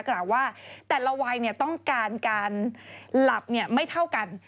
กล่าวว่าแต่ละวัยต้องการการหลับไม่เท่ากัน